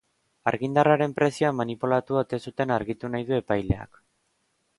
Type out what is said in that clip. Argindarraren prezioa manipulatu ote zuten argitu nahi du epaileak.